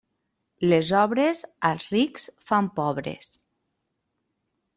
Les obres, als rics fan pobres.